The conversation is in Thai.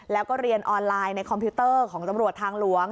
แล้วก็เรียนออนไลน์ในคอมพิวเตอร์ของตำรวจทางหลวง